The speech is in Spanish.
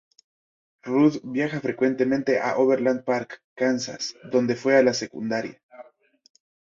Rudd viaja frecuentemente a Overland Park, Kansas, donde fue a la secundaria.